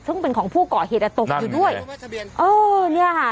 ซึ่งเป็นของผู้ก่อเหตุอศักดิ์ตกด้วยนั่งอยู่ด้วยเออเนี่ยค่ะ